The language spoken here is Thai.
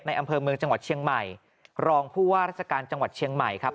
อำเภอเมืองจังหวัดเชียงใหม่รองผู้ว่าราชการจังหวัดเชียงใหม่ครับ